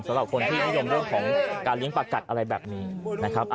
สำหรับคนที่นิยมเรื่องของการเลี้ยงปลากัดอะไรแบบนี้นะครับ